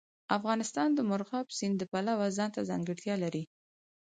افغانستان د مورغاب سیند د پلوه ځانته ځانګړتیا لري.